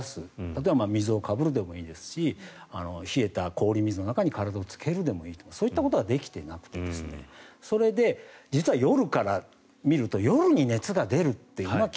例えば水をかぶるでもいいですし冷えた氷水の中に体をつけるでもいいですがそういったことができてなくてそれで、実は夜から見ると夜に熱が出るというのは